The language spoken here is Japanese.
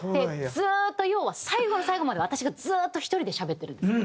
ずっと要は最後の最後まで私がずっと１人でしゃべってるんです。